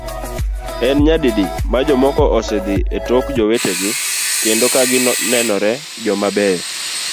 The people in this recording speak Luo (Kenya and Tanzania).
En nyadidi ma jomoko osedhi tok jowetegi kendo kagi nenore joma beyo?